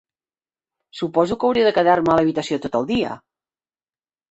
Suposo que hauré de quedar-me a l'habitació tot el dia!